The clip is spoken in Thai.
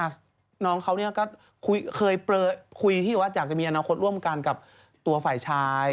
แจมเคยคุยที่จะมารับอาณาคตกับตัวฝ่ายชาย